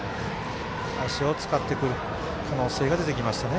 足を使ってくる可能性が出てきましたね。